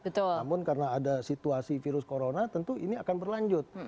namun karena ada situasi virus corona tentu ini akan berlanjut